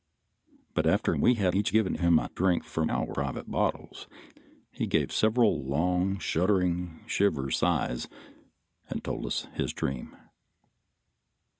But after we had each given him a drink from our private bottles he gave several long, shuddering, shivering sighs and told us his dream.